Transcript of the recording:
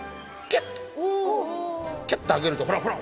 キュッと上げるとほらほら！